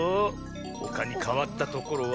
ほかにかわったところは。